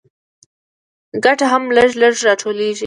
ګټه هم لږ لږ راټولېږي